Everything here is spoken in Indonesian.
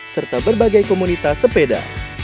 serta berbagai komunitas sepeda